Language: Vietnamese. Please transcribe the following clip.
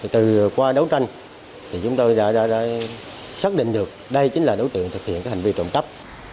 từ qua đấu tranh thì chúng tôi đã xác định được đây chính là đối tượng thực hiện hành vi trộm cắp